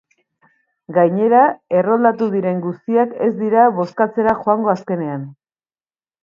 Gainera, erroldatu diren guztiak ez dira bozkatzera joango azkenean.